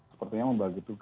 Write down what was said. sepertinya membagi tugas